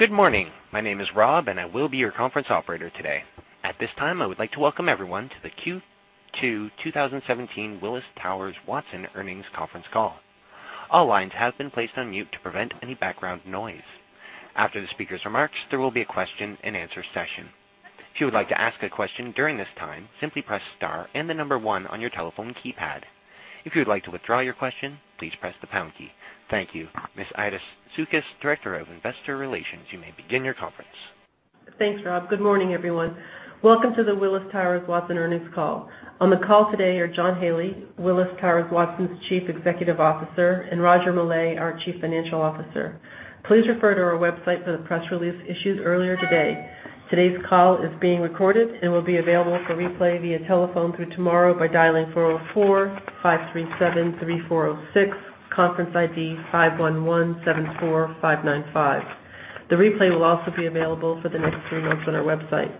Good morning. My name is Rob. I will be your conference operator today. At this time, I would like to welcome everyone to the Q2 2017 Willis Towers Watson Earnings Conference Call. All lines have been placed on mute to prevent any background noise. After the speaker's remarks, there will be a question and answer session. If you would like to ask a question during this time, simply press star and the number 1 on your telephone keypad. If you would like to withdraw your question, please press the pound key. Thank you. Ms. Aida Sukys, Director of Investor Relations, you may begin your conference. Thanks, Rob. Good morning, everyone. Welcome to the Willis Towers Watson earnings call. On the call today are John Haley, Willis Towers Watson's Chief Executive Officer, and Roger Millay, our Chief Financial Officer. Please refer to our website for the press release issued earlier today. Today's call is being recorded and will be available for replay via telephone through tomorrow by dialing 404-537-3406, conference ID 51174595. The replay will also be available for the next 3 months on our website.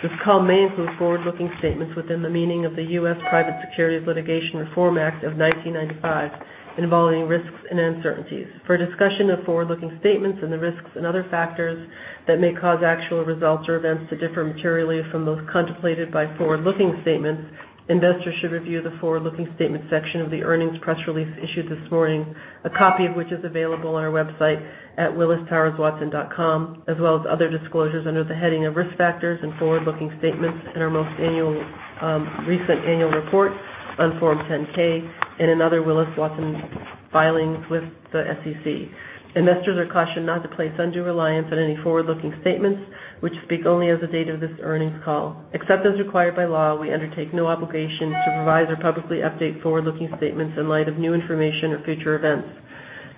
This call may include forward-looking statements within the meaning of the U.S. Private Securities Litigation Reform Act of 1995, involving risks and uncertainties. For a discussion of forward-looking statements and the risks and other factors that may cause actual results or events to differ materially from those contemplated by forward-looking statements, investors should review the forward-looking statement section of the earnings press release issued this morning, a copy of which is available on our website at willistowerswatson.com, as well as other disclosures under the heading of Risk Factors and Forward-Looking Statements in our most recent annual report on Form 10-K and in other Willis Towers Watson filings with the SEC. Investors are cautioned not to place undue reliance on any forward-looking statements, which speak only as of the date of this earnings call. Except as required by law, we undertake no obligation to revise or publicly update forward-looking statements in light of new information or future events.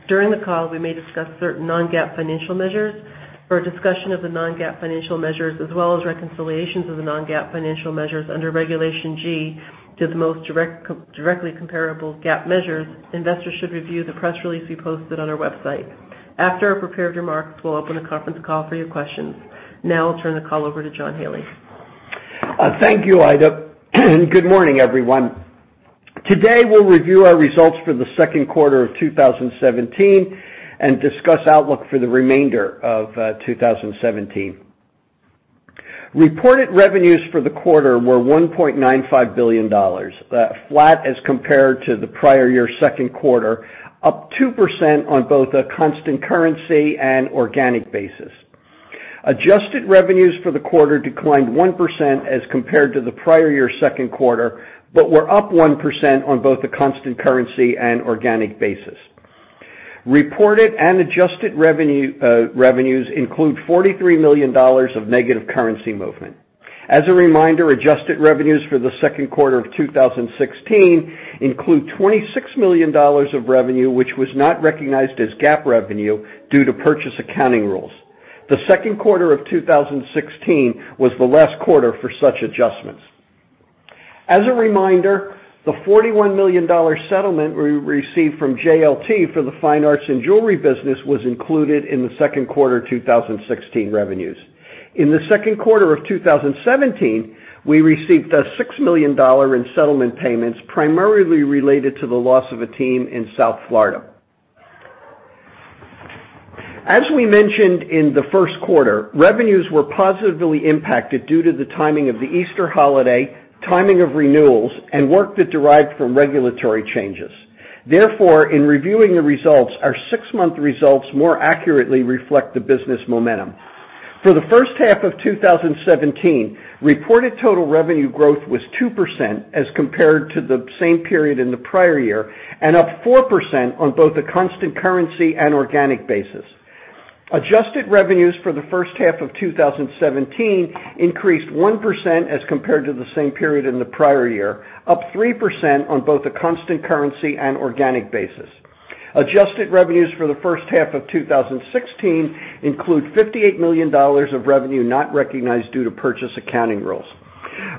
During the call, we may discuss certain non-GAAP financial measures. For a discussion of the non-GAAP financial measures, as well as reconciliations of the non-GAAP financial measures under Regulation G to the most directly comparable GAAP measures, investors should review the press release we posted on our website. After our prepared remarks, we'll open the conference call for your questions. I'll turn the call over to John Haley. Thank you, Aida. Good morning, everyone. Today, we'll review our results for the second quarter of 2017 and discuss outlook for the remainder of 2017. Reported revenues for the quarter were $1.95 billion, flat as compared to the prior year second quarter, up 2% on both a constant currency and organic basis. Adjusted revenues for the quarter declined 1% as compared to the prior year second quarter, were up 1% on both a constant currency and organic basis. Reported and adjusted revenues include $43 million of negative currency movement. As a reminder, adjusted revenues for the second quarter of 2016 include $26 million of revenue, which was not recognized as GAAP revenue due to purchase accounting rules. The second quarter of 2016 was the last quarter for such adjustments. As a reminder, the $41 million settlement we received from JLT for the fine arts and jewelry business was included in the second quarter 2016 revenues. In the second quarter of 2017, we received $6 million in settlement payments, primarily related to the loss of a team in South Florida. As we mentioned in the first quarter, revenues were positively impacted due to the timing of the Easter holiday, timing of renewals, and work that derived from regulatory changes. In reviewing the results, our six-month results more accurately reflect the business momentum. For the first half of 2017, reported total revenue growth was 2% as compared to the same period in the prior year, up 4% on both a constant currency and organic basis. Adjusted revenues for the first half of 2017 increased 1% as compared to the same period in the prior year, up 3% on both a constant currency and organic basis. Adjusted revenues for the first half of 2016 include $58 million of revenue not recognized due to purchase accounting rules.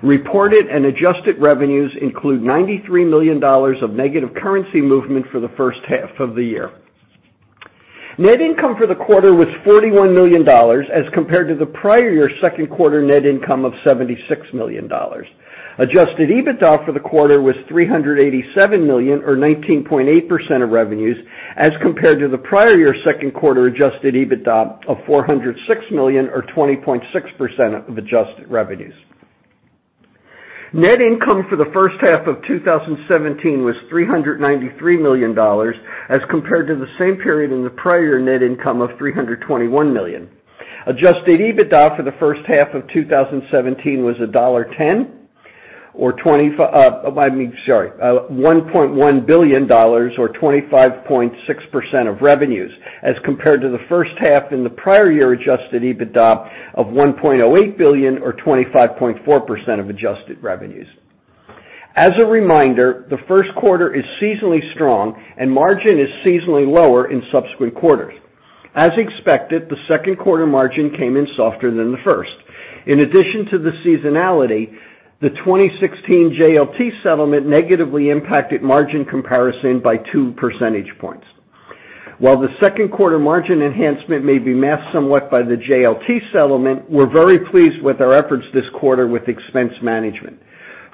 Reported and adjusted revenues include $93 million of negative currency movement for the first half of the year. Net income for the quarter was $41 million as compared to the prior year second quarter net income of $76 million. Adjusted EBITDA for the quarter was $387 million or 19.8% of revenues as compared to the prior year second quarter adjusted EBITDA of $406 million or 20.6% of adjusted revenues. Net income for the first half of 2017 was $393 million as compared to the same period in the prior year net income of $321 million. Adjusted EBITDA for the first half of 2017 was $1.1 billion or 25.6% of revenues as compared to the first half in the prior year adjusted EBITDA of $1.08 billion or 25.4% of adjusted revenues. As a reminder, the first quarter is seasonally strong and margin is seasonally lower in subsequent quarters. As expected, the second quarter margin came in softer than the first. In addition to the seasonality, the 2016 JLT settlement negatively impacted margin comparison by two percentage points. While the second quarter margin enhancement may be masked somewhat by the JLT settlement, we're very pleased with our efforts this quarter with expense management.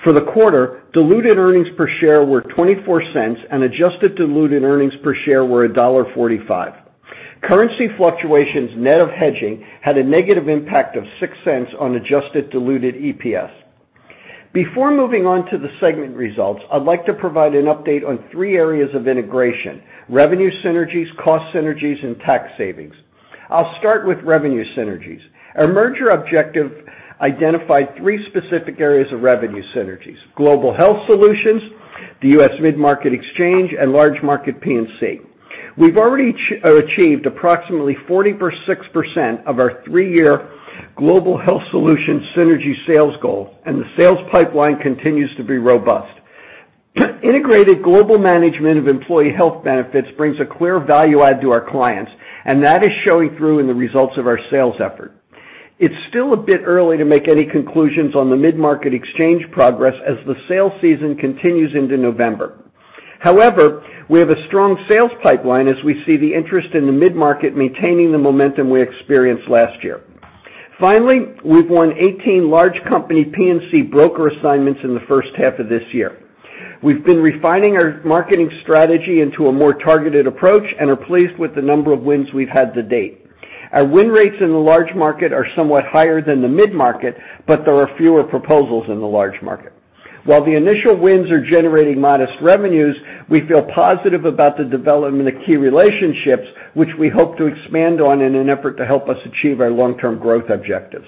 For the quarter, diluted earnings per share were $0.24, adjusted diluted earnings per share were $1.45. Currency fluctuations net of hedging had a negative impact of $0.06 on adjusted diluted EPS. Before moving on to the segment results, I'd like to provide an update on three areas of integration, revenue synergies, cost synergies, and tax savings. I'll start with revenue synergies. Our merger objective identified three specific areas of revenue synergies, Global Benefit Solutions, the US Mid-Market Exchange, and Large Market P&C. We've already achieved approximately 46% of our 3-year Global Benefit Solutions synergy sales goal, and the sales pipeline continues to be robust. Integrated global management of employee health benefits brings a clear value add to our clients, and that is showing through in the results of our sales effort. It's still a bit early to make any conclusions on the Mid-Market Exchange progress as the sales season continues into November. However, we have a strong sales pipeline as we see the interest in the mid-market maintaining the momentum we experienced last year. We've won 18 large company P&C broker assignments in the first half of this year. We've been refining our marketing strategy into a more targeted approach and are pleased with the number of wins we've had to date. Our win rates in the large market are somewhat higher than the mid-market, but there are fewer proposals in the large market. While the initial wins are generating modest revenues, we feel positive about the development of key relationships, which we hope to expand on in an effort to help us achieve our long-term growth objectives.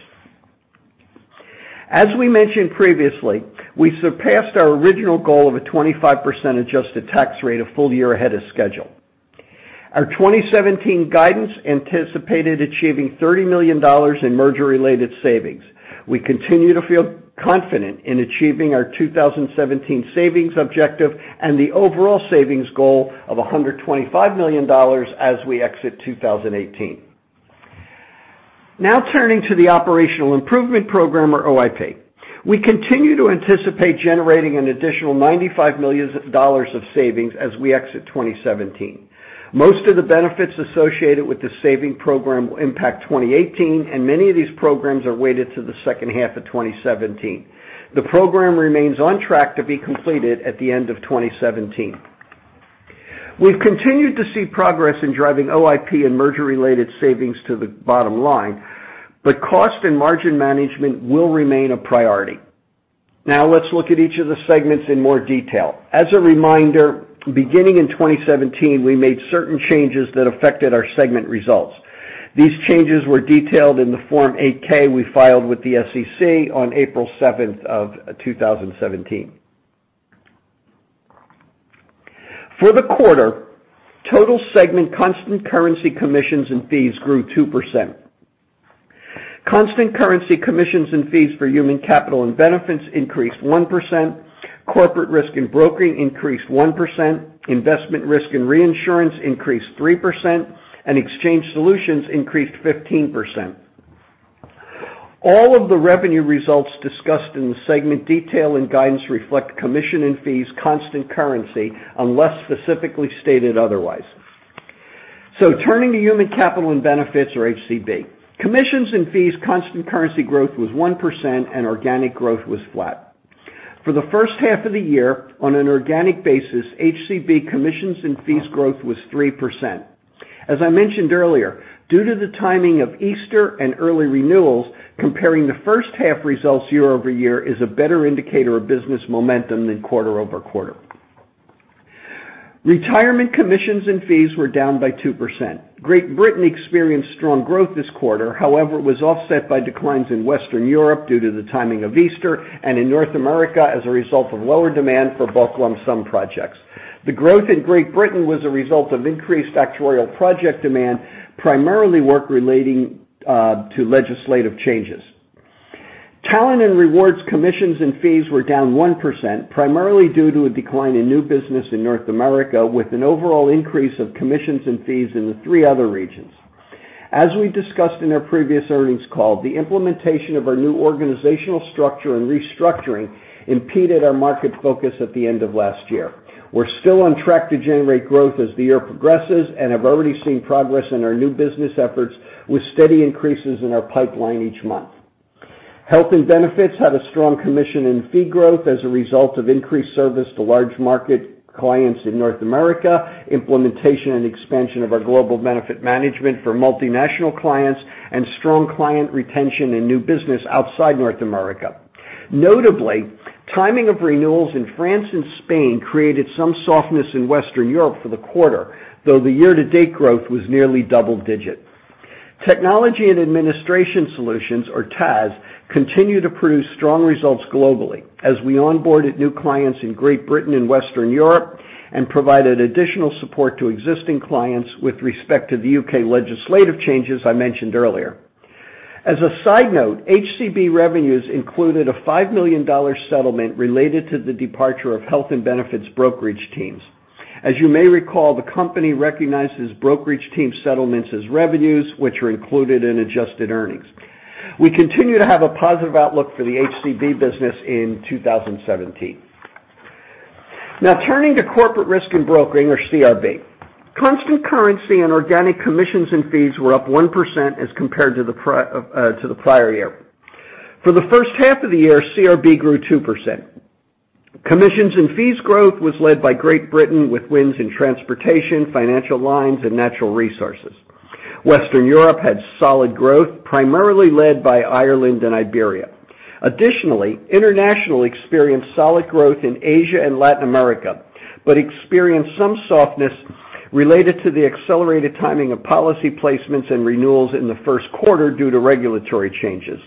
As we mentioned previously, we surpassed our original goal of a 25% adjusted tax rate a full year ahead of schedule. Our 2017 guidance anticipated achieving $30 million in merger-related savings. We continue to feel confident in achieving our 2017 savings objective and the overall savings goal of $125 million as we exit 2018. Turning to the Operational Improvement Program or OIP. We continue to anticipate generating an additional $95 million of savings as we exit 2017. Most of the benefits associated with the saving program will impact 2018, and many of these programs are weighted to the second half of 2017. The program remains on track to be completed at the end of 2017. We've continued to see progress in driving OIP and merger related savings to the bottom line, but cost and margin management will remain a priority. Let's look at each of the segments in more detail. As a reminder, beginning in 2017, we made certain changes that affected our segment results. These changes were detailed in the Form 8-K we filed with the SEC on April 7, 2017. For the quarter, total segment constant currency commissions and fees grew 2%. Constant currency commissions and fees for Human Capital and Benefits increased 1%, Corporate Risk and Broking increased 1%, Investment Risk and Reinsurance increased 3%, and Exchange Solutions increased 15%. All of the revenue results discussed in the segment detail and guidance reflect commission and fees constant currency unless specifically stated otherwise. Turning to Human Capital and Benefits or HCB. Commissions and fees constant currency growth was 1% and organic growth was flat. For the first half of the year, on an organic basis, HCB commissions and fees growth was 3%. As I mentioned earlier, due to the timing of Easter and early renewals, comparing the first half results year-over-year is a better indicator of business momentum than quarter-over-quarter. Retirement commissions and fees were down by 2%. Great Britain experienced strong growth this quarter, however, it was offset by declines in Western Europe due to the timing of Easter and in North America as a result of lower demand for bulk lump sum projects. The growth in Great Britain was a result of increased actuarial project demand, primarily work relating to legislative changes. Talent and rewards commissions and fees were down 1%, primarily due to a decline in new business in North America, with an overall increase of commissions and fees in the three other regions. As we discussed in our previous earnings call, the implementation of our new organizational structure and restructuring impeded our market focus at the end of last year. We're still on track to generate growth as the year progresses and have already seen progress in our new business efforts with steady increases in our pipeline each month. Health and benefits had a strong commission and fee growth as a result of increased service to large market clients in North America, implementation and expansion of our global benefit management for multinational clients, and strong client retention and new business outside North America. Notably, timing of renewals in France and Spain created some softness in Western Europe for the quarter, though the year-to-date growth was nearly double digits. Technology and Administration Solutions, or TAS, continue to produce strong results globally as we onboarded new clients in Great Britain and Western Europe and provided additional support to existing clients with respect to the U.K. legislative changes I mentioned earlier. As a side note, HCB revenues included a $5 million settlement related to the departure of health and benefits brokerage teams. As you may recall, the company recognizes brokerage team settlements as revenues, which are included in adjusted earnings. We continue to have a positive outlook for the HCB business in 2017. Now turning to Corporate Risk and Broking, or CRB. Constant currency and organic commissions and fees were up 1% as compared to the prior year. For the first half of the year, CRB grew 2%. Commissions and fees growth was led by Great Britain with wins in transportation, financial lines, and natural resources. Western Europe had solid growth, primarily led by Ireland and Iberia. Additionally, international experienced solid growth in Asia and Latin America, but experienced some softness related to the accelerated timing of policy placements and renewals in the first quarter due to regulatory changes.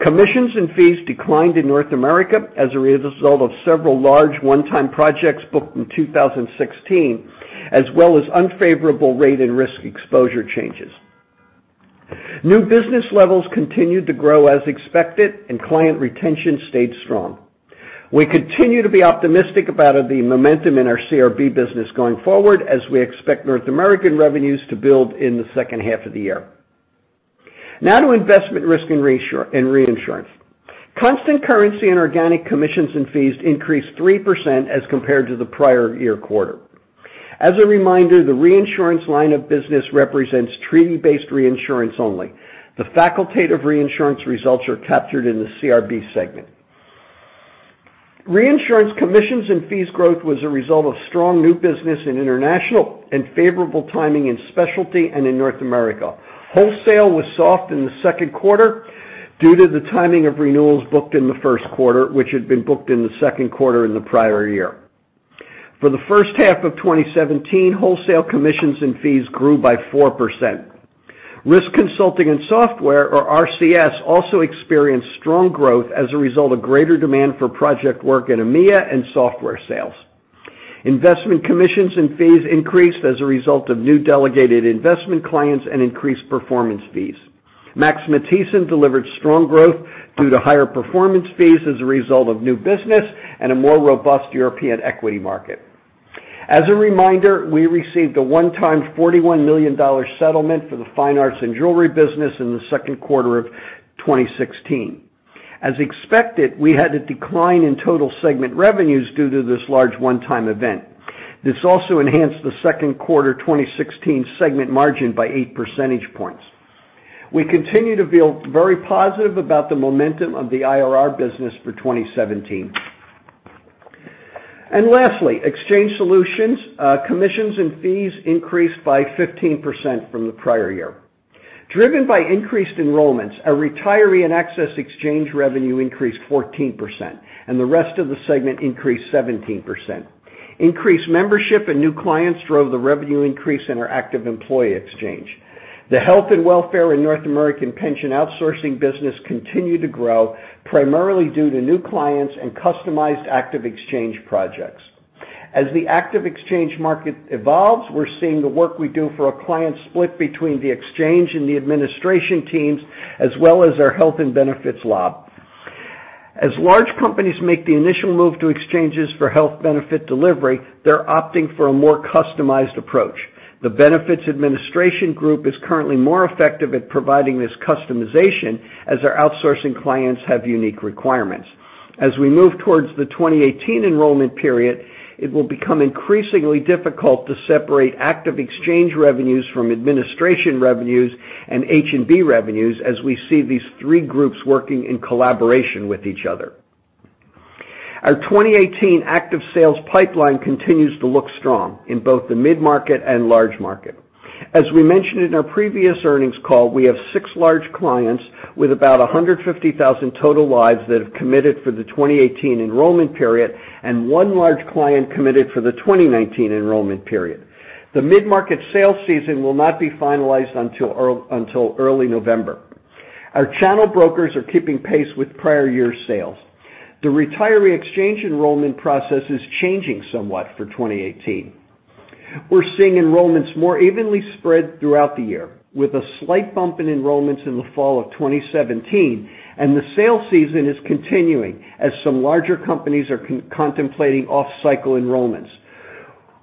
Commissions and fees declined in North America as a result of several large one-time projects booked in 2016, as well as unfavorable rate and risk exposure changes. New business levels continued to grow as expected, and client retention stayed strong. We continue to be optimistic about the momentum in our CRB business going forward, as we expect North American revenues to build in the second half of the year. Now to investment risk and reinsurance. Constant currency and organic commissions and fees increased 3% as compared to the prior year quarter. As a reminder, the reinsurance line of business represents treaty-based reinsurance only. The facultative reinsurance results are captured in the CRB segment. Reinsurance commissions and fees growth was a result of strong new business in international and favorable timing in specialty and in North America. Wholesale was soft in the second quarter due to the timing of renewals booked in the first quarter, which had been booked in the second quarter in the prior year. For the first half of 2017, wholesale commissions and fees grew by 4%. Risk consulting and software, or RCS, also experienced strong growth as a result of greater demand for project work in AMEA and software sales. Investment commissions and fees increased as a result of new delegated investment clients and increased performance fees. Max Matthiessen delivered strong growth due to higher performance fees as a result of new business and a more robust European equity market. As a reminder, we received a one-time $41 million settlement for the fine arts and jewelry business in the second quarter of 2016. As expected, we had a decline in total segment revenues due to this large one-time event. This also enhanced the second quarter 2016 segment margin by eight percentage points. We continue to feel very positive about the momentum of the IRR business for 2017. Lastly, Exchange Solutions. Commissions and fees increased by 15% from the prior year. Driven by increased enrollments, our retiree and excess exchange revenue increased 14%, and the rest of the segment increased 17%. Increased membership and new clients drove the revenue increase in our active employee exchange. The health and welfare in North American pension outsourcing business continued to grow, primarily due to new clients and customized active exchange projects. As the active exchange market evolves, we're seeing the work we do for a client split between the exchange and the administration teams, as well as our health and benefits lab. As large companies make the initial move to exchanges for health benefit delivery, they're opting for a more customized approach. The benefits administration group is currently more effective at providing this customization as our outsourcing clients have unique requirements. As we move towards the 2018 enrollment period, it will become increasingly difficult to separate active exchange revenues from administration revenues and H&B revenues as we see these three groups working in collaboration with each other. Our 2018 active sales pipeline continues to look strong in both the mid-market and large market. As we mentioned in our previous earnings call, we have six large clients with about 150,000 total lives that have committed for the 2018 enrollment period and one large client committed for the 2019 enrollment period. The mid-market sales season will not be finalized until early November. Our channel brokers are keeping pace with prior year sales. The retiree exchange enrollment process is changing somewhat for 2018. We're seeing enrollments more evenly spread throughout the year, with a slight bump in enrollments in the fall of 2017, the sale season is continuing as some larger companies are contemplating off-cycle enrollments.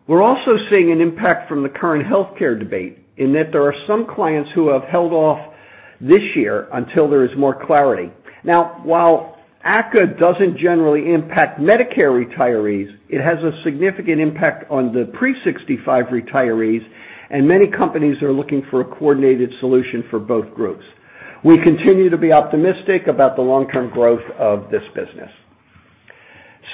We're also seeing an impact from the current healthcare debate in that there are some clients who have held off this year until there is more clarity. While ACA doesn't generally impact Medicare retirees, it has a significant impact on the pre-65 retirees and many companies are looking for a coordinated solution for both groups. We continue to be optimistic about the long-term growth of this business.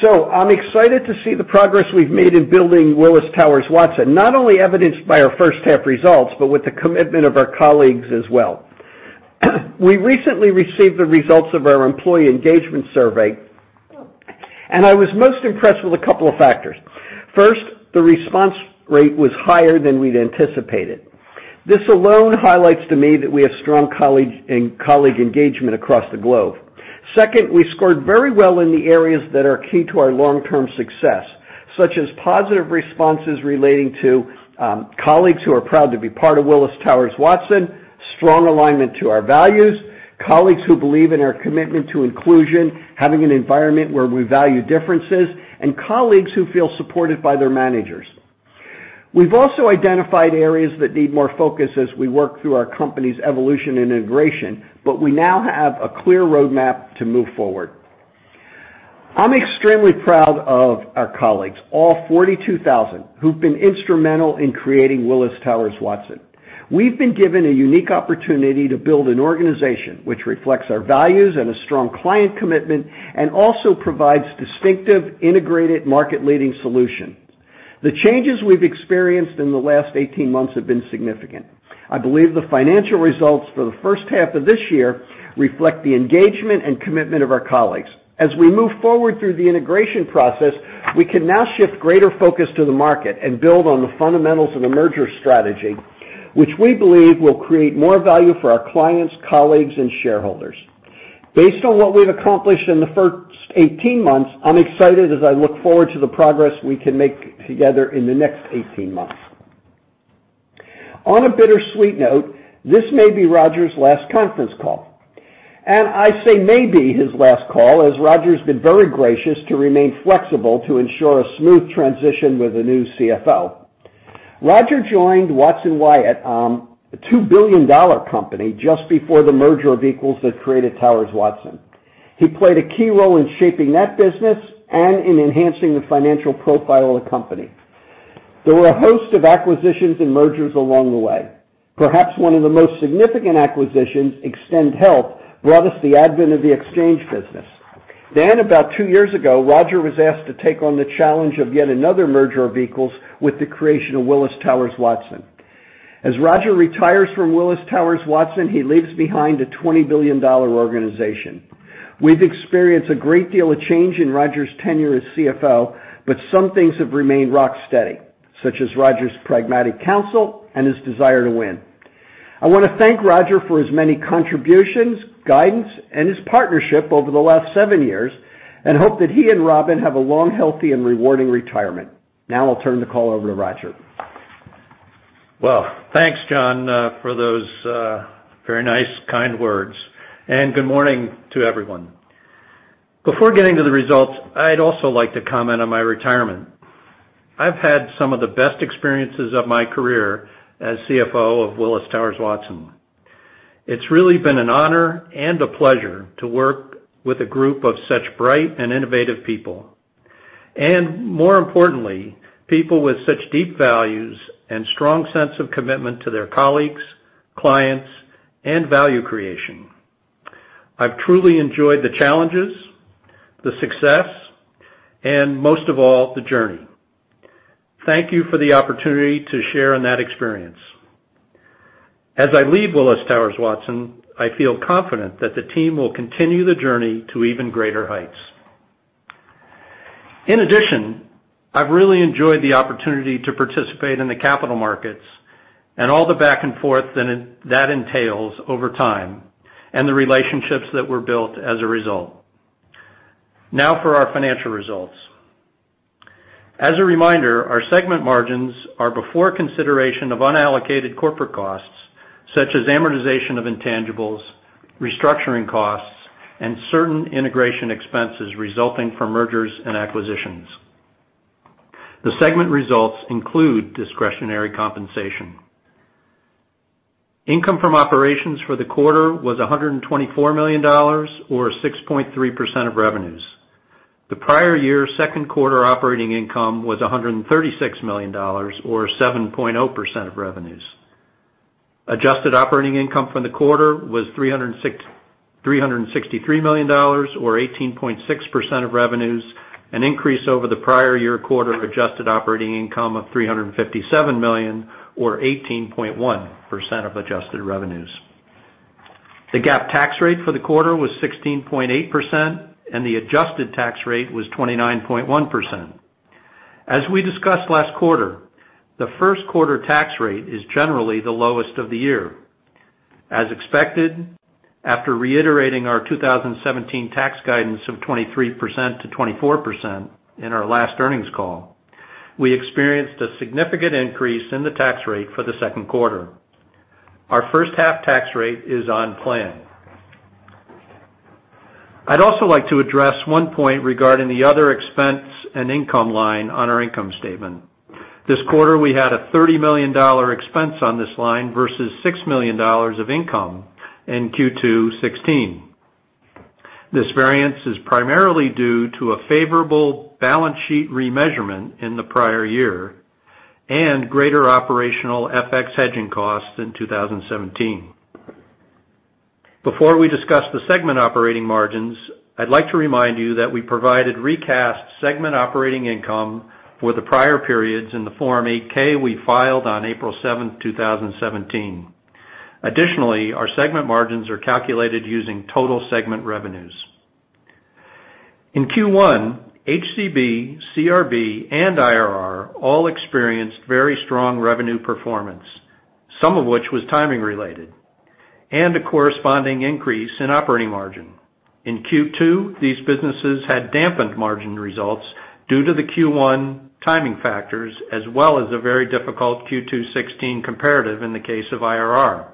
I'm excited to see the progress we've made in building Willis Towers Watson, not only evidenced by our first half results, but with the commitment of our colleagues as well. We recently received the results of our employee engagement survey, I was most impressed with a couple of factors. First, the response rate was higher than we'd anticipated. This alone highlights to me that we have strong colleague engagement across the globe. Second, we scored very well in the areas that are key to our long-term success, such as positive responses relating to colleagues who are proud to be part of Willis Towers Watson, strong alignment to our values, colleagues who believe in our commitment to inclusion, having an environment where we value differences, and colleagues who feel supported by their managers. We've also identified areas that need more focus as we work through our company's evolution and integration, but we now have a clear roadmap to move forward. I'm extremely proud of our colleagues, all 42,000, who've been instrumental in creating Willis Towers Watson. We've been given a unique opportunity to build an organization which reflects our values and a strong client commitment, also provides distinctive, integrated, market leading solution. The changes we've experienced in the last 18 months have been significant. I believe the financial results for the first half of this year reflect the engagement and commitment of our colleagues. As we move forward through the integration process, we can now shift greater focus to the market and build on the fundamentals of the merger strategy, which we believe will create more value for our clients, colleagues, and shareholders. Based on what we've accomplished in the first 18 months, I'm excited as I look forward to the progress we can make together in the next 18 months. On a bittersweet note, this may be Roger's last conference call. I say maybe his last call, as Roger's been very gracious to remain flexible to ensure a smooth transition with a new CFO. Roger joined Watson Wyatt, a $2 billion company just before the merger of equals that created Towers Watson. He played a key role in shaping that business and in enhancing the financial profile of the company. There were a host of acquisitions and mergers along the way. Perhaps one of the most significant acquisitions, Extend Health, brought us the advent of the exchange business. About two years ago, Roger was asked to take on the challenge of yet another merger of equals with the creation of Willis Towers Watson. As Roger retires from Willis Towers Watson, he leaves behind a $20 billion organization. We've experienced a great deal of change in Roger's tenure as CFO, some things have remained rock steady, such as Roger's pragmatic counsel and his desire to win. I want to thank Roger for his many contributions, guidance, and his partnership over the last seven years, hope that he and Robin have a long, healthy and rewarding retirement. I'll turn the call over to Roger. Well, thanks, John, for those very nice, kind words, and good morning to everyone. Before getting to the results, I'd also like to comment on my retirement. I've had some of the best experiences of my career as CFO of Willis Towers Watson. It's really been an honor and a pleasure to work with a group of such bright and innovative people. More importantly, people with such deep values and strong sense of commitment to their colleagues, clients, and value creation. I've truly enjoyed the challenges, the success, and most of all, the journey. Thank you for the opportunity to share in that experience. As I leave Willis Towers Watson, I feel confident that the team will continue the journey to even greater heights. In addition, I've really enjoyed the opportunity to participate in the capital markets and all the back and forth that entails over time, and the relationships that were built as a result. Now for our financial results. As a reminder, our segment margins are before consideration of unallocated corporate costs, such as amortization of intangibles, restructuring costs, and certain integration expenses resulting from mergers and acquisitions. The segment results include discretionary compensation. Income from operations for the quarter was $124 million, or 6.3% of revenues. The prior year second quarter operating income was $136 million, or 7.0% of revenues. Adjusted operating income from the quarter was $363 million or 18.6% of revenues, an increase over the prior year quarter of adjusted operating income of $357 million or 18.1% of adjusted revenues. The GAAP tax rate for the quarter was 16.8%, and the adjusted tax rate was 29.1%. As we discussed last quarter, the first quarter tax rate is generally the lowest of the year. As expected, after reiterating our 2017 tax guidance of 23%-24% in our last earnings call, we experienced a significant increase in the tax rate for the second quarter. Our first half tax rate is on plan. I'd also like to address one point regarding the other expense and income line on our income statement. This quarter, we had a $30 million expense on this line versus $6 million of income in Q2 2016. This variance is primarily due to a favorable balance sheet remeasurement in the prior year and greater operational FX hedging costs in 2017. Before we discuss the segment operating margins, I'd like to remind you that we provided recast segment operating income for the prior periods in the Form 8-K we filed on April 7th, 2017. Additionally, our segment margins are calculated using total segment revenues. In Q1, HCB, CRB, and IRR all experienced very strong revenue performance, some of which was timing related, and a corresponding increase in operating margin. In Q2, these businesses had dampened margin results due to the Q1 timing factors, as well as a very difficult Q2 2016 comparative in the case of IRR.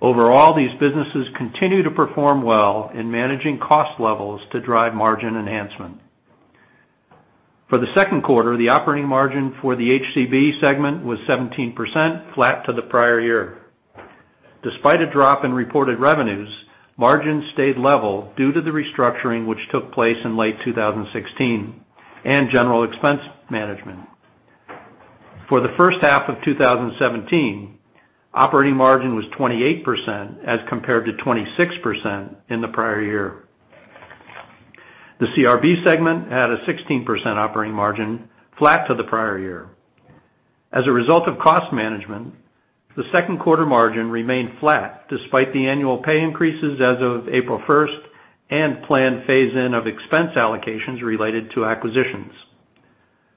Overall, these businesses continue to perform well in managing cost levels to drive margin enhancement. For the second quarter, the operating margin for the HCB segment was 17%, flat to the prior year. Despite a drop in reported revenues, margins stayed level due to the restructuring which took place in late 2016 and general expense management. For the first half of 2017, operating margin was 28% as compared to 26% in the prior year. The CRB segment had a 16% operating margin, flat to the prior year. As a result of cost management, the second quarter margin remained flat despite the annual pay increases as of April 1st and planned phase-in of expense allocations related to acquisitions.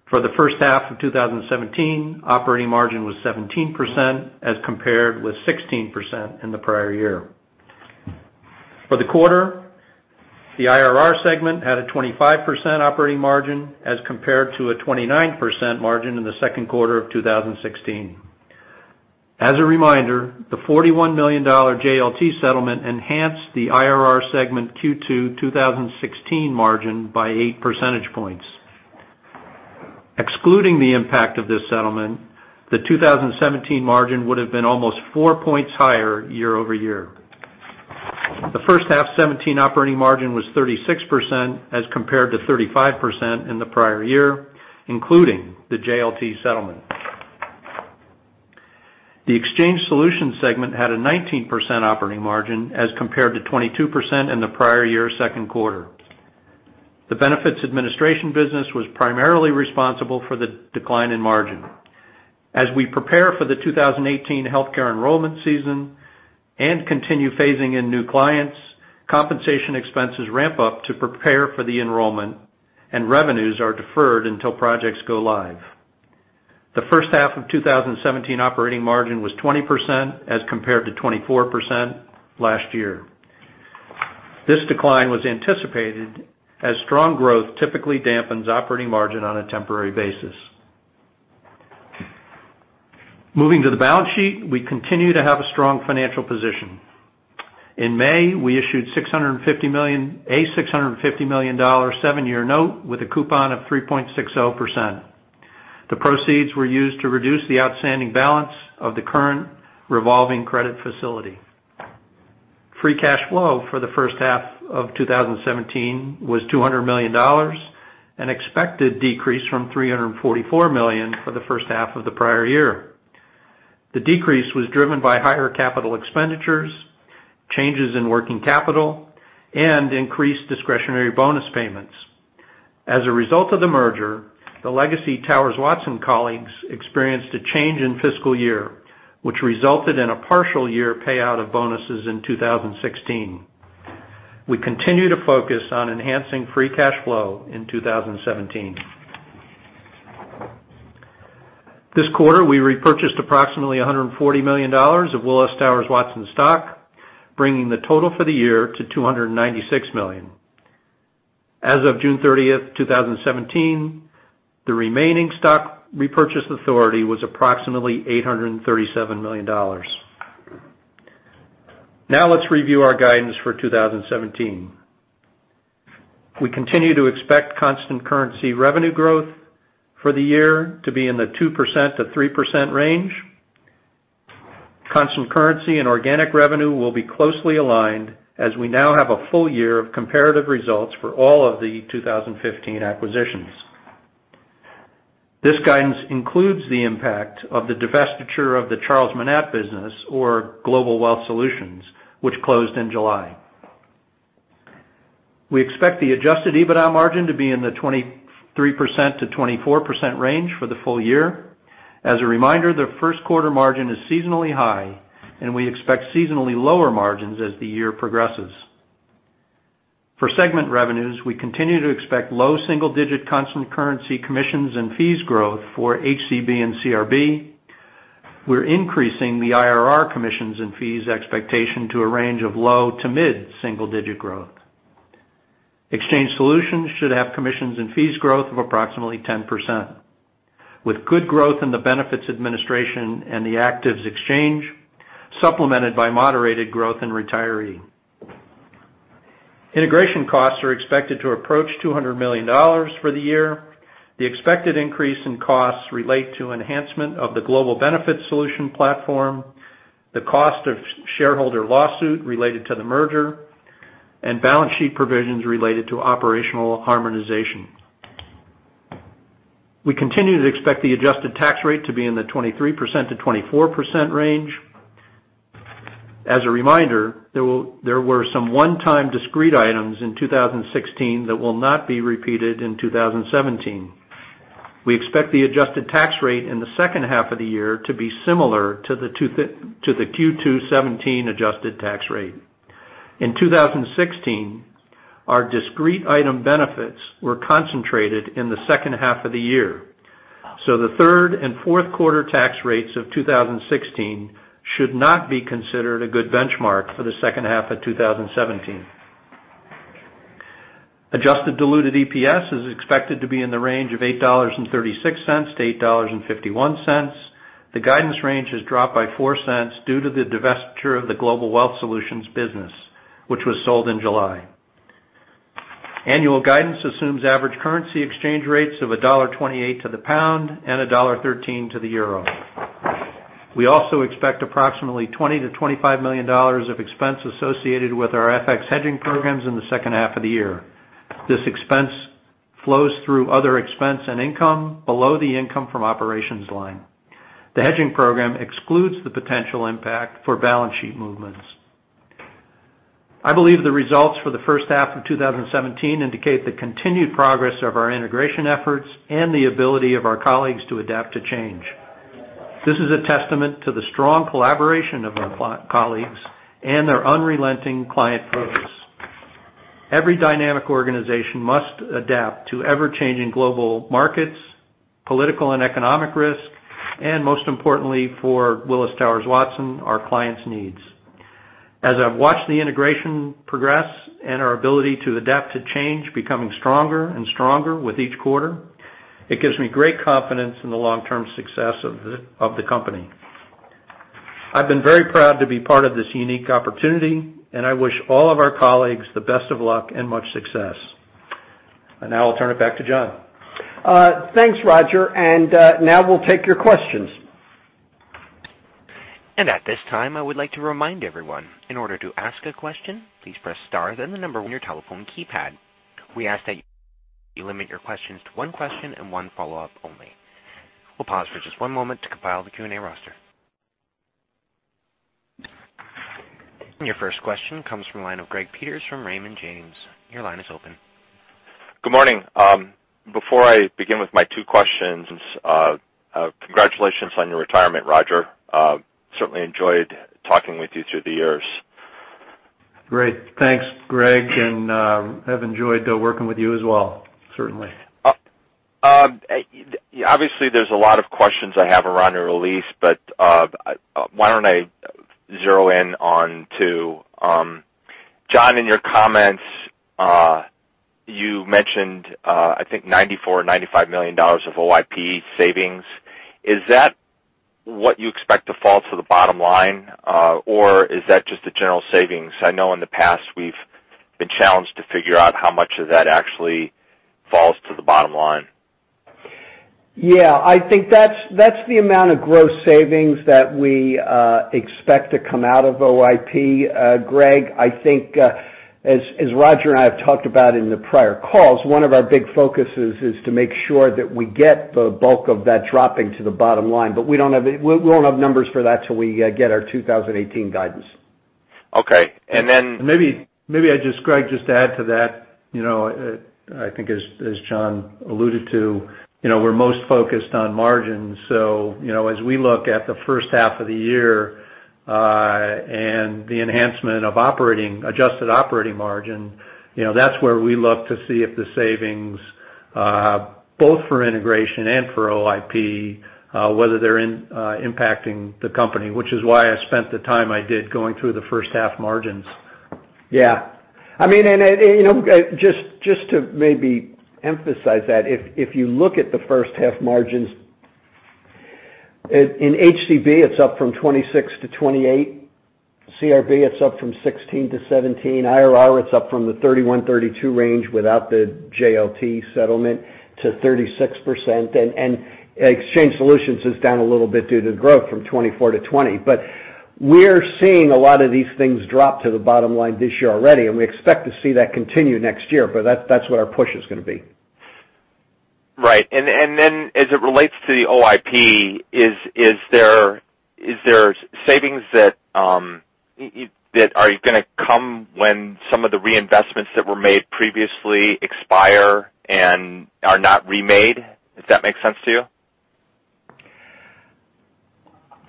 For the first half of 2017, operating margin was 17% as compared with 16% in the prior year. For the quarter, the IRR segment had a 25% operating margin, as compared to a 29% margin in the second quarter of 2016. As a reminder, the $41 million JLT settlement enhanced the IRR segment Q2 2016 margin by eight percentage points. Excluding the impact of this settlement, the 2017 margin would have been almost four points higher year-over-year. The first half 2017 operating margin was 36% as compared to 35% in the prior year, including the JLT settlement. The Exchange Solutions segment had a 19% operating margin, as compared to 22% in the prior year second quarter. The benefits administration business was primarily responsible for the decline in margin. As we prepare for the 2018 healthcare enrollment season and continue phasing in new clients, compensation expenses ramp up to prepare for the enrollment, and revenues are deferred until projects go live. The first half of 2017 operating margin was 20% as compared to 24% last year. This decline was anticipated as strong growth typically dampens operating margin on a temporary basis. Moving to the balance sheet, we continue to have a strong financial position. In May, we issued a $650 million seven-year note with a coupon of 3.60%. The proceeds were used to reduce the outstanding balance of the current revolving credit facility. Free cash flow for the first half of 2017 was $200 million, an expected decrease from $344 million for the first half of the prior year. The decrease was driven by higher capital expenditures, changes in working capital, and increased discretionary bonus payments. As a result of the merger, the legacy Towers Watson colleagues experienced a change in fiscal year, which resulted in a partial year payout of bonuses in 2016. We continue to focus on enhancing free cash flow in 2017. This quarter, we repurchased approximately $140 million of Willis Towers Watson stock, bringing the total for the year to $296 million. As of June 30, 2017, the remaining stock repurchase authority was approximately $837 million. Now let's review our guidance for 2017. We continue to expect constant currency revenue growth for the year to be in the 2%-3% range. Constant currency and organic revenue will be closely aligned as we now have a full year of comparative results for all of the 2015 acquisitions. This guidance includes the impact of the divestiture of the Charles Monat business or Global Wealth Solutions, which closed in July. We expect the adjusted EBITDA margin to be in the 23%-24% range for the full year. As a reminder, the first quarter margin is seasonally high, and we expect seasonally lower margins as the year progresses. For segment revenues, we continue to expect low single-digit constant currency commissions and fees growth for HCB and CRB. We're increasing the IRR commissions and fees expectation to a range of low to mid single-digit growth. Exchange Solutions should have commissions and fees growth of approximately 10%, with good growth in the benefits administration and the actives exchange, supplemented by moderated growth in retiree. Integration costs are expected to approach $200 million for the year. The expected increase in costs relate to enhancement of the Global Benefit Solution platform, the cost of shareholder lawsuit related to the merger, and balance sheet provisions related to operational harmonization. We continue to expect the adjusted tax rate to be in the 23%-24% range. As a reminder, there were some one-time discrete items in 2016 that will not be repeated in 2017. We expect the adjusted tax rate in the second half of the year to be similar to the Q2 2017 adjusted tax rate. In 2016, our discrete item benefits were concentrated in the second half of the year, so the third and fourth quarter tax rates of 2016 should not be considered a good benchmark for the second half of 2017. Adjusted diluted EPS is expected to be in the range of $8.36-$8.51. The guidance range has dropped by $0.04 due to the divestiture of the Global Wealth Solutions business, which was sold in July. Annual guidance assumes average currency exchange rates of GBP 1.28 to the pound and EUR 1.13 to the euro. We also expect approximately $20 million-$25 million of expense associated with our FX hedging programs in the second half of the year. This expense flows through other expense and income below the income from operations line. The hedging program excludes the potential impact for balance sheet movements. I believe the results for the first half of 2017 indicate the continued progress of our integration efforts and the ability of our colleagues to adapt to change. This is a testament to the strong collaboration of our colleagues and their unrelenting client focus. Every dynamic organization must adapt to ever-changing global markets, political and economic risk, and most importantly, for Willis Towers Watson, our clients' needs. As I've watched the integration progress and our ability to adapt to change becoming stronger and stronger with each quarter, it gives me great confidence in the long-term success of the company. I've been very proud to be part of this unique opportunity. Now I'll turn it back to John. Thanks, Roger. Now we'll take your questions. At this time, I would like to remind everyone, in order to ask a question, please press star, then the number on your telephone keypad. We ask that you limit your questions to one question and one follow-up only. We'll pause for just one moment to compile the Q&A roster. Your first question comes from the line of Gregory Peters from Raymond James. Your line is open. Good morning. Before I begin with my two questions, congratulations on your retirement, Roger. Certainly enjoyed talking with you through the years. Great. Thanks, Greg. I've enjoyed working with you as well, certainly. Obviously, there's a lot of questions I have around your release. Why don't I zero in on two? John, in your comments, you mentioned, I think $94 million or $95 million of OIP savings. Is that what you expect to fall to the bottom line? Is that just the general savings? I know in the past, we've been challenged to figure out how much of that actually falls to the bottom line. Yeah, I think that's the amount of gross savings that we expect to come out of OIP, Greg. I think, as Roger and I have talked about in the prior calls, one of our big focuses is to make sure that we get the bulk of that dropping to the bottom line. We won't have numbers for that till we get our 2018 guidance. Okay. Maybe, Greg, just to add to that, I think as John alluded to, we're most focused on margins. As we look at the first half of the year, and the enhancement of adjusted operating margin, that's where we look to see if the savings, both for integration and for OIP, whether they're impacting the company, which is why I spent the time I did going through the first half margins. Yeah. Just to maybe emphasize that, if you look at the first half margins, in HCB, it's up from 26%-28%. CRB, it's up from 16%-17%. IRR, it's up from the 31%-32% range without the JLT settlement to 36%, and Exchange Solutions is down a little bit due to growth from 24%-20%. We're seeing a lot of these things drop to the bottom line this year already, and we expect to see that continue next year. That's what our push is going to be. Right. As it relates to the OIP, is there savings that are going to come when some of the reinvestments that were made previously expire and are not remade? Does that make sense to you?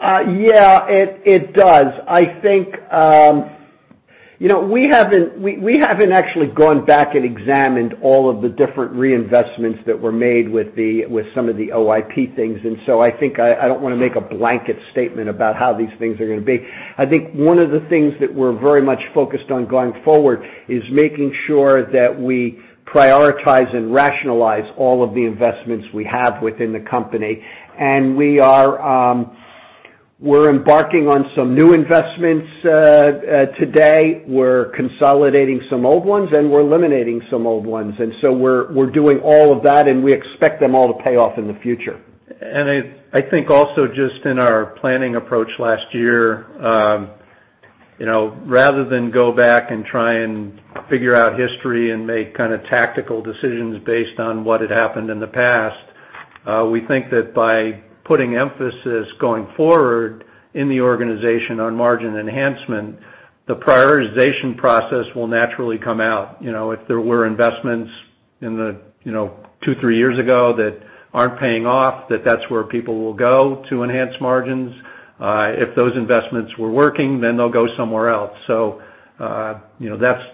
Yeah, it does. We haven't actually gone back and examined all of the different reinvestments that were made with some of the OIP things. I think I don't want to make a blanket statement about how these things are going to be. I think one of the things that we're very much focused on going forward is making sure that we prioritize and rationalize all of the investments we have within the company. We're embarking on some new investments today. We're consolidating some old ones, we're eliminating some old ones. We're doing all of that, and we expect them all to pay off in the future. I think also just in our planning approach last year, rather than go back and try and figure out history and make tactical decisions based on what had happened in the past, we think that by putting emphasis going forward in the organization on margin enhancement, the prioritization process will naturally come out. If there were investments two, three years ago that aren't paying off, that's where people will go to enhance margins. If those investments were working, then they'll go somewhere else. That's,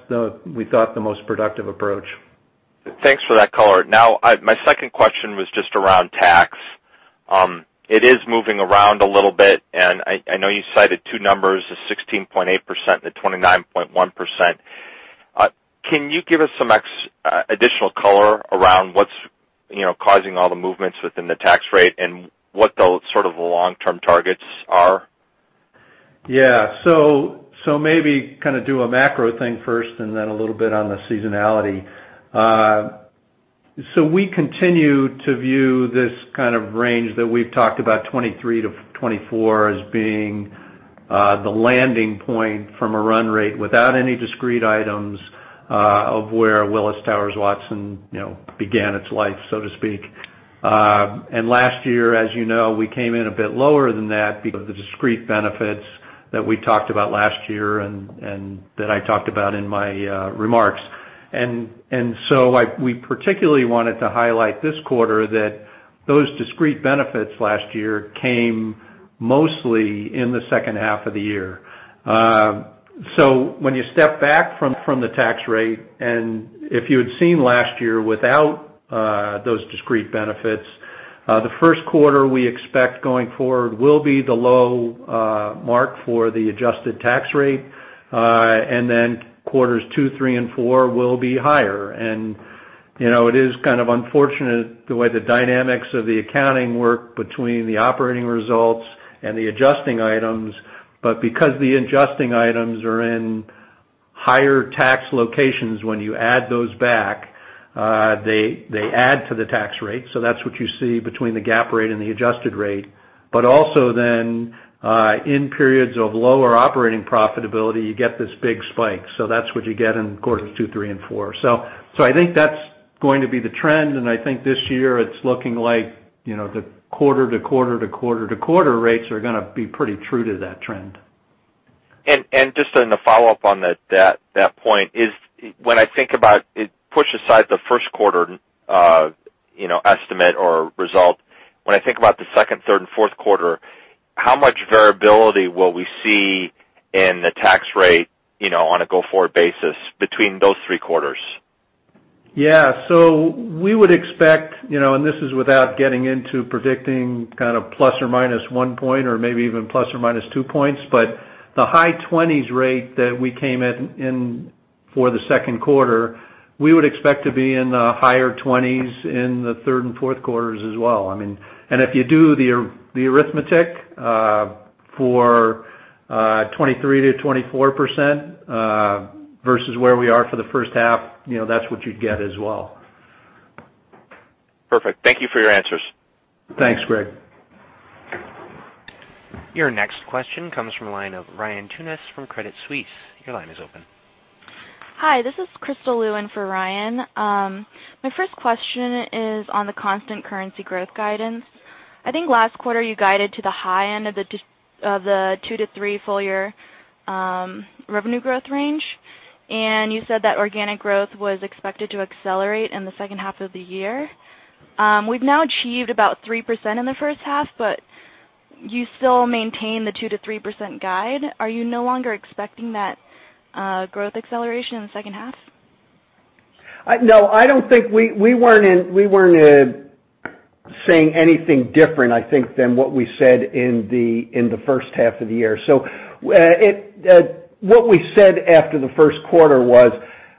we thought, the most productive approach. Thanks for that color. Now, my second question was just around tax. It is moving around a little bit, and I know you cited two numbers, the 16.8% and the 29.1%. Can you give us some additional color around what's causing all the movements within the tax rate and what the long-term targets are? Yeah. Maybe do a macro thing first and then a little bit on the seasonality. We continue to view this kind of range that we've talked about, 23% to 24%, as being the landing point from a run rate without any discrete items of where Willis Towers Watson began its life, so to speak. Last year, as you know, we came in a bit lower than that because of the discrete benefits that we talked about last year and that I talked about in my remarks. We particularly wanted to highlight this quarter that those discrete benefits last year came mostly in the second half of the year. When you step back from the tax rate, and if you had seen last year without those discrete benefits, the first quarter we expect going forward will be the low mark for the adjusted tax rate. Quarters 2, 3, and 4 will be higher. It is kind of unfortunate the way the dynamics of the accounting work between the operating results and the adjusting items. Because the adjusting items are in higher tax locations, when you add those back, they add to the tax rate. That's what you see between the GAAP rate and the adjusted rate. In periods of lower operating profitability, you get this big spike. That's what you get in quarters 2, 3, and 4. I think that's going to be the trend, and I think this year it's looking like the quarter-to-quarter-to-quarter-to-quarter rates are going to be pretty true to that trend. Just in a follow-up on that point is when I think about it, push aside the first quarter estimate or result. When I think about the second, third, and fourth quarter, how much variability will we see in the tax rate on a go-forward basis between those three quarters? Yeah. We would expect, and this is without getting into predicting plus or minus one point or maybe even plus or minus two points, but the high 20s rate that we came in for the second quarter, we would expect to be in the higher 20s in the third and fourth quarters as well. If you do the arithmetic for 23% to 24%, versus where we are for the first half, that's what you'd get as well. Perfect. Thank you for your answers. Thanks, Greg. Your next question comes from the line of Ryan Tunis from Credit Suisse. Your line is open. Hi, this is Crystal Lu in for Ryan. My first question is on the constant currency growth guidance. I think last quarter you guided to the high end of the two to three full year revenue growth range. You said that organic growth was expected to accelerate in the second half of the year. We've now achieved about 3% in the first half, but you still maintain the 2% to 3% guide. Are you no longer expecting that growth acceleration in the second half? No. We weren't saying anything different, I think, than what we said in the first half of the year. What we said after the first quarter was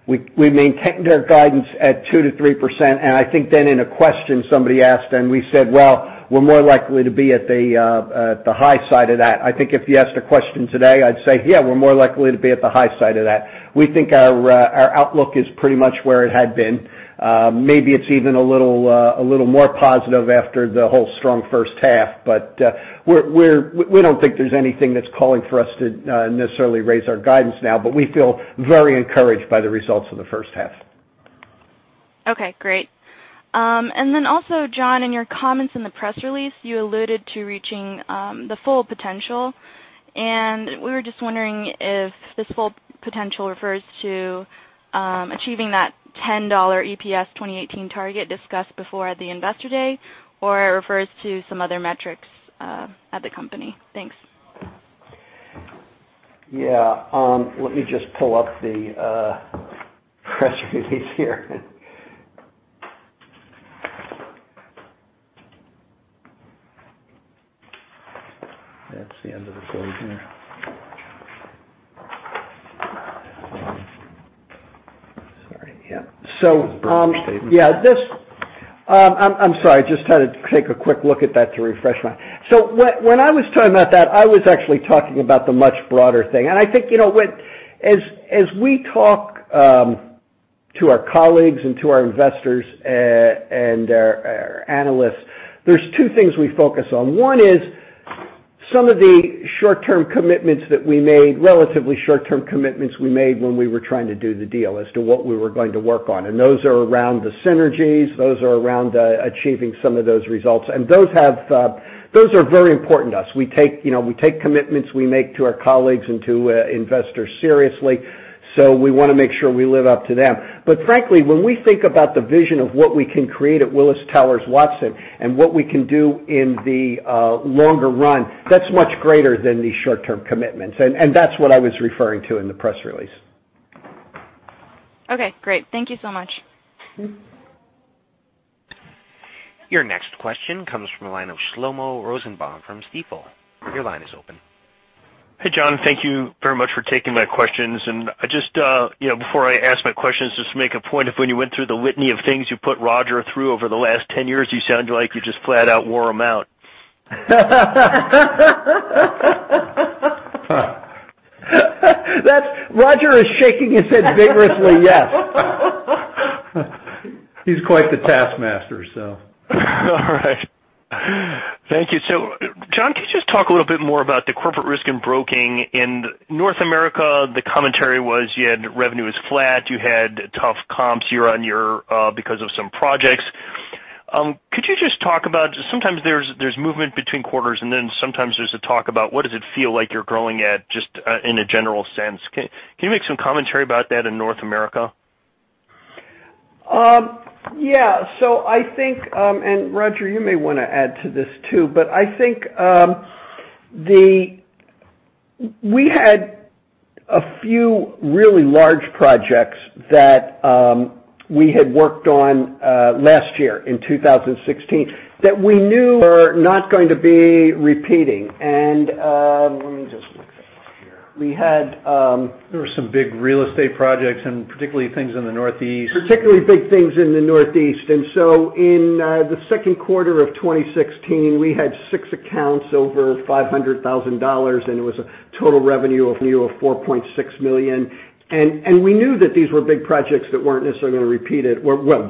we maintained our guidance at 2%-3%, I think then in a question somebody asked, we said, "Well, we're more likely to be at the high side of that." I think if you asked a question today, I'd say, "Yeah, we're more likely to be at the high side of that." We think our outlook is pretty much where it had been. Maybe it's even a little more positive after the whole strong first half, we don't think there's anything that's calling for us to necessarily raise our guidance now, we feel very encouraged by the results of the first half. Okay, great. Also, John, in your comments in the press release, you alluded to reaching the full potential, and we were just wondering if this full potential refers to achieving that $10 EPS 2018 target discussed before at the investor day or refers to some other metrics at the company. Thanks. Yeah. Let me just pull up the press release here. That's the end of the quote here. Sorry. Yeah. That's the statement. Yeah. I'm sorry. Just had to take a quick look at that to refresh. When I was talking about that, I was actually talking about the much broader thing. I think as we talk to our colleagues and to our investors and our analysts, there's two things we focus on. One is some of the short-term commitments that we made, relatively short-term commitments we made when we were trying to do the deal as to what we were going to work on. Those are around the synergies, those are around achieving some of those results. Those are very important to us. We take commitments we make to our colleagues and to investors seriously. We want to make sure we live up to them. Frankly, when we think about the vision of what we can create at Willis Towers Watson and what we can do in the longer run, that's much greater than these short-term commitments. That's what I was referring to in the press release. Okay, great. Thank you so much. Your next question comes from the line of Shlomo Rosenbaum from Stifel. Your line is open. Hey, John. Thank you very much for taking my questions. Before I ask my questions, just to make a point of when you went through the litany of things you put Roger through over the last 10 years, you sound like you just flat out wore him out. Roger is shaking his head vigorously, yes. He's quite the taskmaster. All right. Thank you. John, can you just talk a little bit more about the Corporate Risk and Broking? In North America, the commentary was you had revenue is flat, you had tough comps year-on-year because of some projects. Could you just talk about, sometimes there's movement between quarters, sometimes there's a talk about what does it feel like you're growing at, just in a general sense? Can you make some commentary about that in North America? Yeah. Roger, you may want to add to this too, but I think we had a few really large projects that we had worked on last year, in 2016, that we knew were not going to be repeating. Let me just look at something here. We had. There were some big real estate projects, particularly things in the Northeast. Particularly big things in the Northeast. In the second quarter of 2016, we had six accounts over $500,000, and it was a total revenue of $4.6 million. We knew that these were big projects that weren't necessarily going to repeat,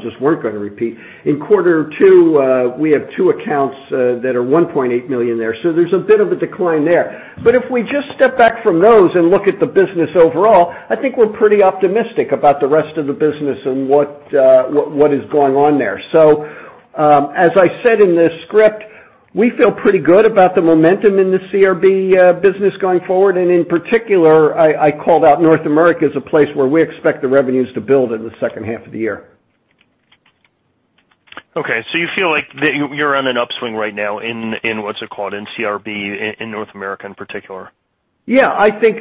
just weren't going to repeat. In quarter two, we have two accounts that are $1.8 million there. There's a bit of a decline there. If we just step back from those and look at the business overall, I think we're pretty optimistic about the rest of the business and what is going on there. As I said in the script, we feel pretty good about the momentum in the CRB business going forward. In particular, I called out North America as a place where we expect the revenues to build in the second half of the year. Okay. You feel like that you're on an upswing right now in, what's it called, in CRB, in North America in particular. Yeah, I do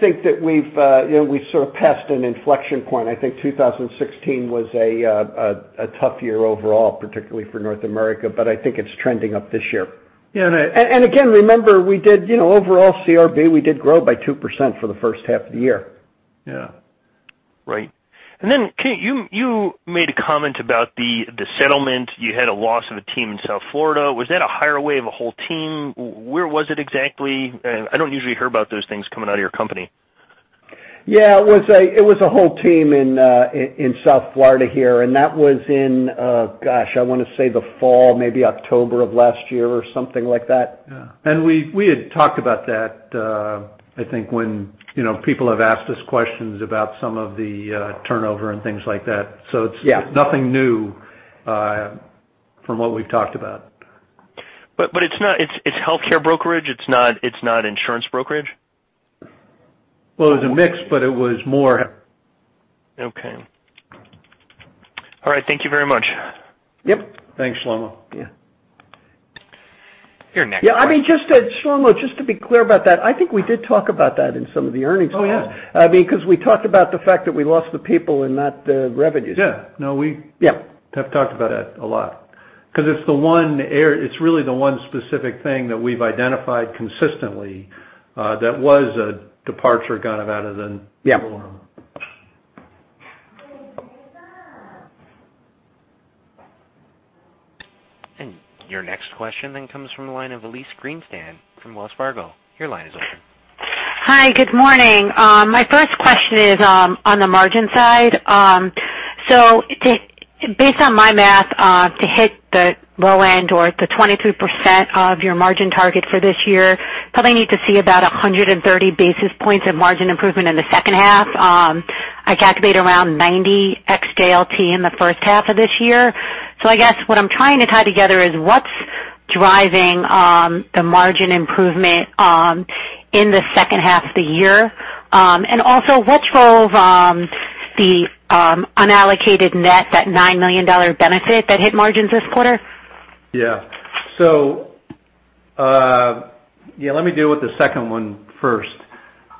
think that we've sort of passed an inflection point. I think 2016 was a tough year overall, particularly for North America, but I think it's trending up this year. Yeah. Remember, overall CRB, we did grow by 2% for the first half of the year. Yeah. Right. You made a comment about the settlement. You had a loss of a team in South Florida. Was that a hire away of a whole team? Where was it exactly? I don't usually hear about those things coming out of your company. Yeah. It was a whole team in South Florida here, and that was in, gosh, I want to say the fall, maybe October of last year or something like that. Yeah. We had talked about that, I think when people have asked us questions about some of the turnover and things like that. Yeah nothing new from what we've talked about. It's healthcare brokerage? It's not insurance brokerage? Well, it was a mix, but it was more- Okay. All right. Thank you very much. Yep. Thanks, Shlomo. Yeah. Your next question. Yeah, Shlomo, just to be clear about that, I think we did talk about that in some of the earnings calls. Oh, yeah. Because we talked about the fact that we lost the people and not the revenues. Yeah. No, we Yeah We have talked about that a lot. Because it's really the one specific thing that we've identified consistently, that was a departure out of the Yeah Your next question comes from the line of Elyse Greenspan from Wells Fargo. Your line is open. Hi. Good morning. My first question is on the margin side. Based on my math, to hit the low end or the 23% of your margin target for this year, probably need to see about 130 basis points of margin improvement in the second half. I calculate around 90 ex JLT in the first half of this year. I guess what I'm trying to tie together is what's driving the margin improvement in the second half of the year. What role does the unallocated net, that $9 million benefit that hit margins this quarter? Yeah. Let me deal with the second one first.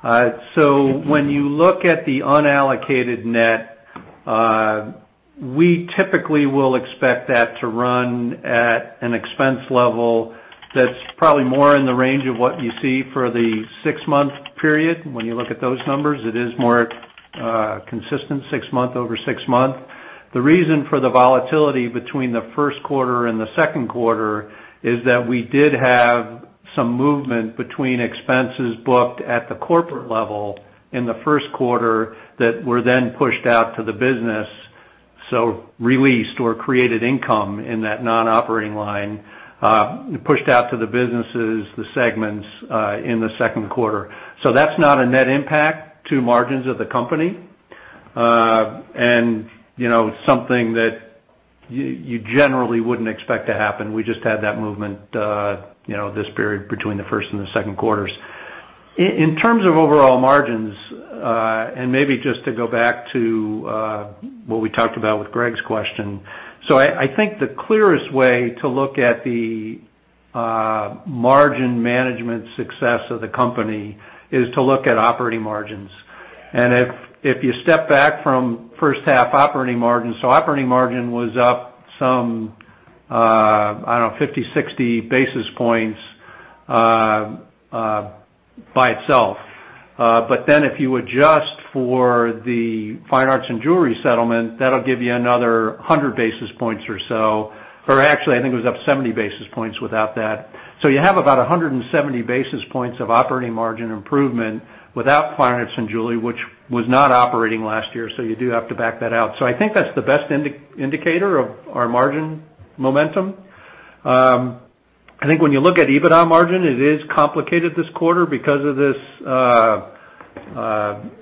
When you look at the unallocated net, we typically will expect that to run at an expense level that's probably more in the range of what you see for the six-month period. When you look at those numbers, it is more consistent, six month over six month. The reason for the volatility between the first quarter and the second quarter is that we did have some movement between expenses booked at the corporate level in the first quarter that were then pushed out to the business, so released or created income in that non-operating line, pushed out to the businesses, the segments, in the second quarter. That's not a net impact to margins of the company. Something that you generally wouldn't expect to happen. We just had that movement this period between the first and the second quarters. In terms of overall margins, and maybe just to go back to what we talked about with Greg's question. I think the clearest way to look at the -margin management success of the company is to look at operating margins. If you step back from first-half operating margins, operating margin was up some, I don't know, 50, 60 basis points by itself. If you adjust for the fine arts and jewelry settlement, that'll give you another 100 basis points or so. Actually, I think it was up 70 basis points without that. You have about 170 basis points of operating margin improvement without fine arts and jewelry, which was not operating last year, so you do have to back that out. I think that's the best indicator of our margin momentum. I think when you look at EBITDA margin, it is complicated this quarter because of this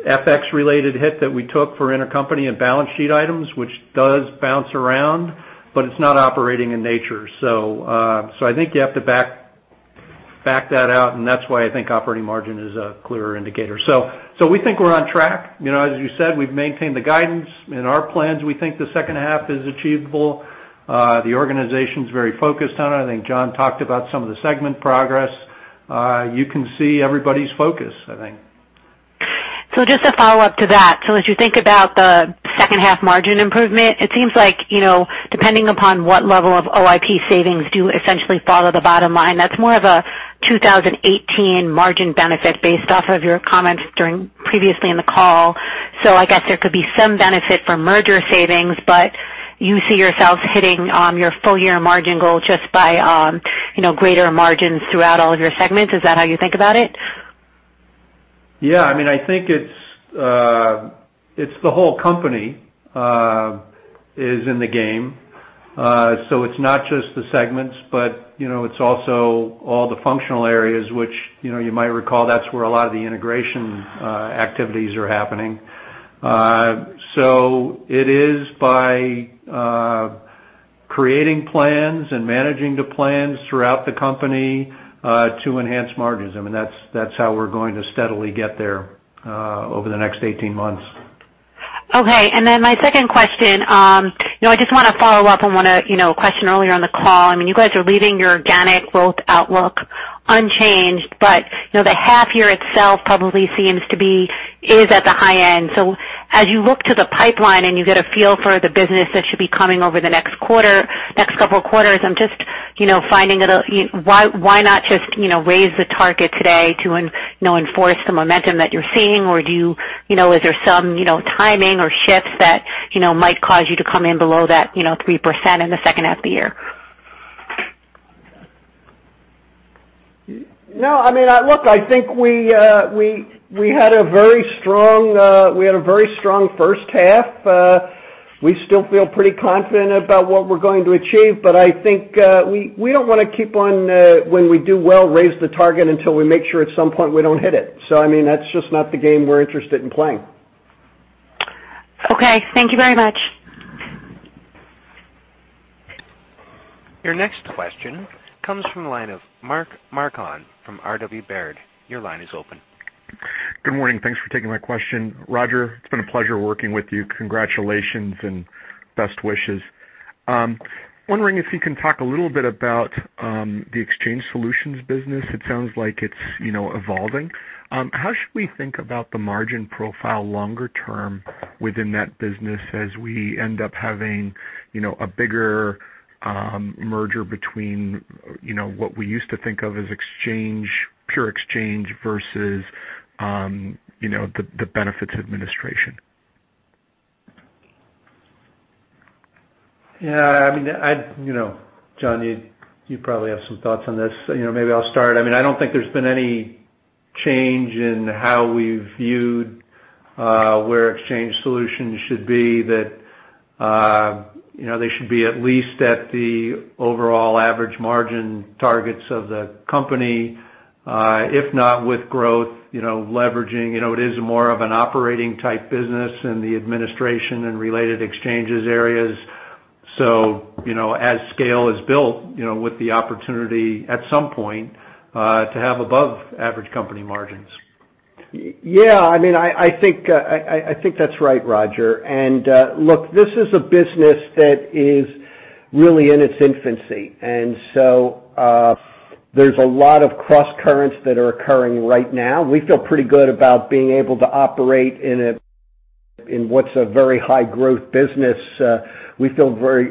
FX-related hit that we took for intercompany and balance sheet items, which does bounce around, but it's not operating in nature. I think you have to back that out, and that's why I think operating margin is a clearer indicator. We think we're on track. As you said, we've maintained the guidance in our plans. We think the second half is achievable. The organization's very focused on it. I think John talked about some of the segment progress. You can see everybody's focus, I think. Just a follow-up to that. As you think about the second half margin improvement, it seems like, depending upon what level of OIP savings do essentially follow the bottom line, that's more of a 2018 margin benefit based off of your comments previously in the call. I guess there could be some benefit from merger savings, but you see yourselves hitting your full-year margin goal just by greater margins throughout all of your segments. Is that how you think about it? I think it's the whole company is in the game. It's not just the segments, but it's also all the functional areas which, you might recall, that's where a lot of the integration activities are happening. It is by creating plans and managing the plans throughout the company to enhance margins. That's how we're going to steadily get there over the next 18 months. My second question. I just want to follow up on a question earlier on the call. You guys are leaving your organic growth outlook unchanged, but the half year itself probably seems to be, is at the high end. As you look to the pipeline and you get a feel for the business that should be coming over the next couple of quarters, why not just raise the target today to enforce the momentum that you're seeing, or is there some timing or shifts that might cause you to come in below that 3% in the second half of the year? No, look, I think we had a very strong first half. We still feel pretty confident about what we're going to achieve, but I think we don't want to keep on, when we do well, raise the target until we make sure at some point we don't hit it. That's just not the game we're interested in playing. Okay. Thank you very much. Your next question comes from the line of Mark Marcon from RW Baird. Your line is open. Good morning. Thanks for taking my question. Roger, it's been a pleasure working with you. Congratulations and best wishes. I'm wondering if you can talk a little bit about the Exchange Solutions business. It sounds like it's evolving. How should we think about the margin profile longer term within that business as we end up having a bigger merger between what we used to think of as exchange, pure exchange, versus the benefits administration? Yeah. John, you probably have some thoughts on this. Maybe I'll start. I don't think there's been any change in how we viewed where Exchange Solutions should be, that they should be at least at the overall average margin targets of the company, if not with growth, leveraging. It is more of an operating type business in the administration and related exchanges areas. As scale is built, with the opportunity at some point to have above average company margins. Yeah, I think that's right, Roger. Look, this is a business that is really in its infancy. There's a lot of cross currents that are occurring right now. We feel pretty good about being able to operate in what's a very high growth business. We feel very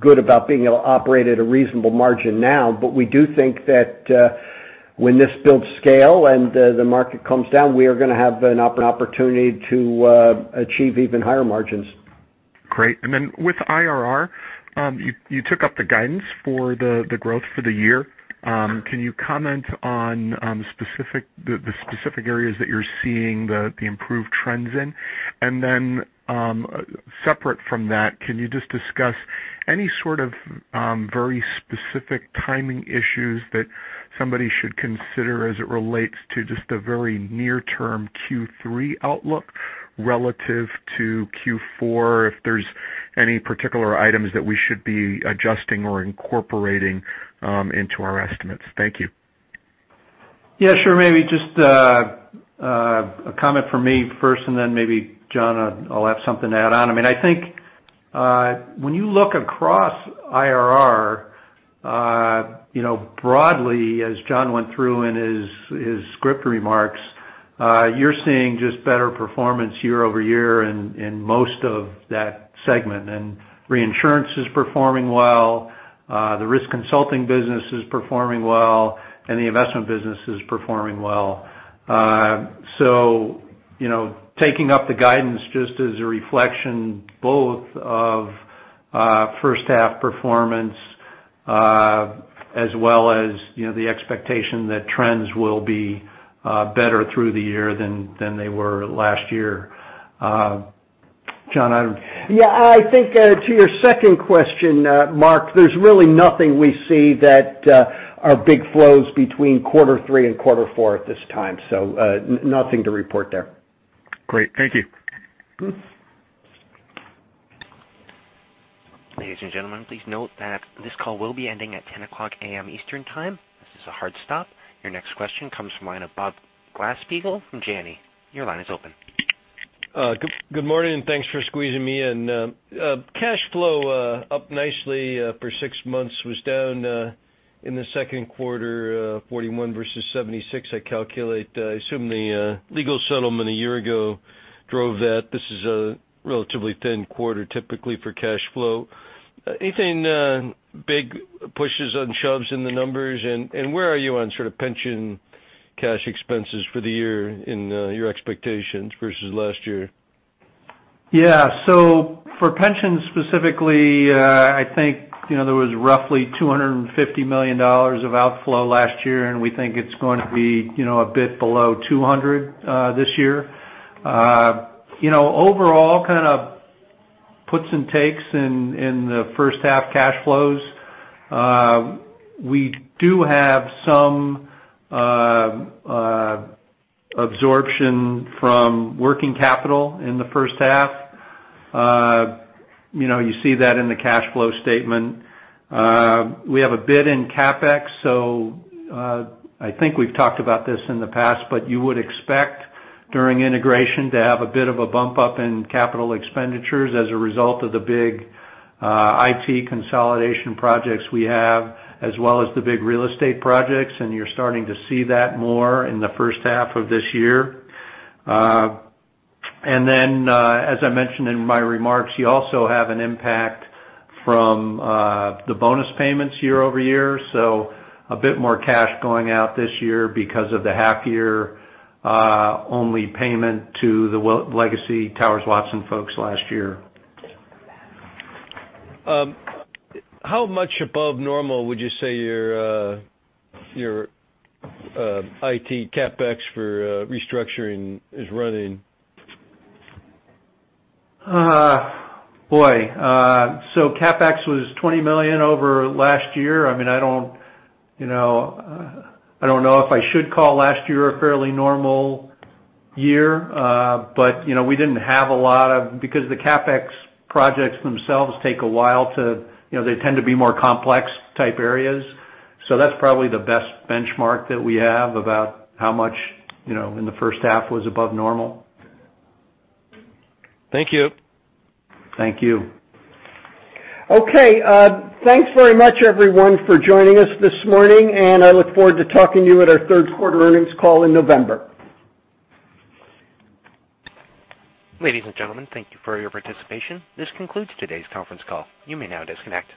good about being able to operate at a reasonable margin now. We do think that when this builds scale and the market calms down, we are going to have an opportunity to achieve even higher margins. Great. Then with IRR, you took up the guidance for the growth for the year. Can you comment on the specific areas that you're seeing the improved trends in? Then separate from that, can you just discuss any sort of very specific timing issues that somebody should consider as it relates to just the very near term Q3 outlook relative to Q4, if there's any particular items that we should be adjusting or incorporating into our estimates? Thank you. Yeah, sure. Maybe just a comment from me first, and then maybe John will have something to add on. I think when you look across IRR broadly, as John went through in his script remarks, you're seeing just better performance year-over-year in most of that segment. Reinsurance is performing well, the risk consulting business is performing well, and the investment business is performing well. Taking up the guidance just as a reflection both of first half performance as well as the expectation that trends will be better through the year than they were last year. John? Yeah, I think to your second question, Mark, there's really nothing we see that are big flows between quarter three and quarter four at this time, so nothing to report there. Great. Thank you. Ladies and gentlemen, please note that this call will be ending at 10:00 A.M. Eastern Time. This is a hard stop. Your next question comes from the line of Bob Glasspiegel from Janney. Your line is open. Good morning. Thanks for squeezing me in. Cash flow up nicely for six months, was down in the second quarter, $41 versus $76, I calculate. I assume the legal settlement a year ago drove that. This is a relatively thin quarter typically for cash flow. Anything big pushes and shoves in the numbers? Where are you on sort of pension cash expenses for the year in your expectations versus last year? Yeah. For pensions specifically, I think there was roughly $250 million of outflow last year, and we think it's going to be a bit below $200 million this year. Overall, kind of puts and takes in the first half cash flows. We do have some absorption from working capital in the first half. You see that in the cash flow statement. We have a bit in CapEx, I think we've talked about this in the past, but you would expect during integration to have a bit of a bump up in capital expenditures as a result of the big IT consolidation projects we have, as well as the big real estate projects, and you're starting to see that more in the first half of this year. As I mentioned in my remarks, you also have an impact from the bonus payments year-over-year, a bit more cash going out this year because of the half-year only payment to the legacy Towers Watson folks last year. How much above normal would you say your IT CapEx for restructuring is running? Boy. CapEx was $20 million over last year. I don't know if I should call last year a fairly normal year, but we didn't have a lot of-- because the CapEx projects themselves take a while to-- they tend to be more complex type areas. That's probably the best benchmark that we have about how much in the first half was above normal. Thank you. Thank you. Okay. Thanks very much everyone for joining us this morning, and I look forward to talking to you at our third quarter earnings call in November. Ladies and gentlemen, thank you for your participation. This concludes today's conference call. You may now disconnect.